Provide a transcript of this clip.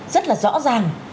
rất là rõ ràng